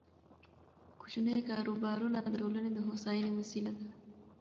کوچني کاروبارونه د ټولنې د هوساینې وسیله ده.